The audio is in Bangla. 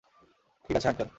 ঠিক আছে আঙ্কেল!